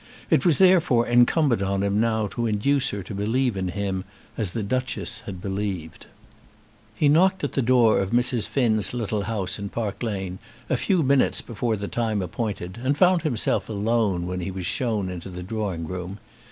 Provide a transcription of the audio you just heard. It was therefore incumbent on him now to induce her to believe in him as the Duchess had believed. He knocked at the door of Mrs. Finn's little house in Park Lane a few minutes before the time appointed, and found himself alone when he was shown into the drawing room.